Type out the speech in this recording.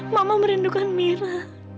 mama merindukan mira